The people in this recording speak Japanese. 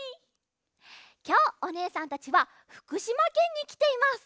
きょうおねえさんたちはふくしまけんにきています！